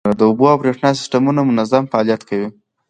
د اوبو او بریښنا سیستمونه منظم فعالیت کوي.